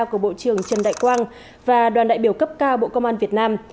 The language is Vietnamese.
của bộ trưởng trần đại quang và đoàn đại biểu cấp cao bộ công an việt nam